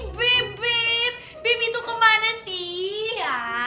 bim bim bim itu kemana sih